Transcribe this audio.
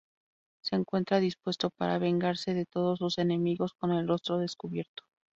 Se encuentra dispuesto para vengarse de todos sus enemigos con el rostro descubierto.